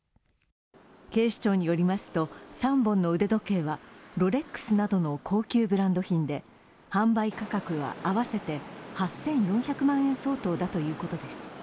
警視庁によりますと、３本の腕時計はロレックスなどの高級ブランド品で販売価格は合わせて８４００万円相当だということです。